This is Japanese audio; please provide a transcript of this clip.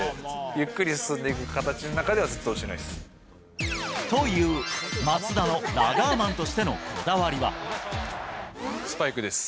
ゆっくり進んでいく形ではずっと落ちないです。という、松田のラガーマンとスパイクです。